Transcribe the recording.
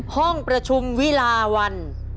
ห้องประชุมวิลาวัน